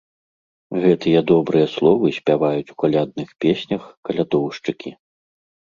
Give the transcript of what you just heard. Гэтыя добрыя словы спяваюць у калядных песнях калядоўшчыкі.